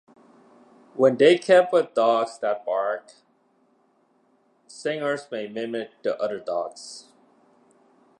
When they are kept with dogs that bark, singers may mimic the other dogs.